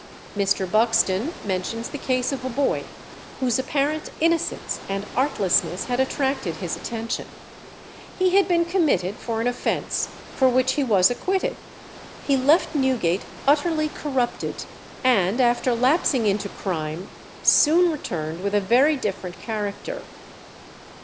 Mr. Buxton mentions the case of a boy whose apparent innocence and artlessness had attracted his attention. He had been committed for an offence for which he was acquitted. He left Newgate utterly corrupted, and after lapsing into crime, soon returned with a very different character.